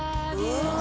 うわ！